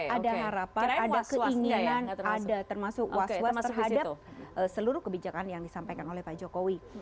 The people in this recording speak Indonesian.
ada harapan ada keinginan ada termasuk was was terhadap seluruh kebijakan yang disampaikan oleh pak jokowi